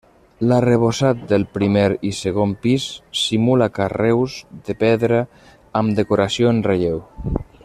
L'arrebossat del primer i segon pis simula carreus de pedra amb decoració en relleu.